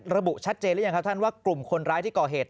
ระบุชัดเจนหรือยังครับท่านว่ากลุ่มคนร้ายที่ก่อเหตุ